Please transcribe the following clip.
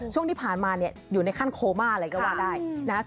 ช่วงที่ผ่านมาอยู่ในขั้นโคม่าอะไรก็ว่าได้